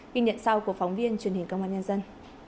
ghi nhận sau của phóng viên truyền hình công an nhân dân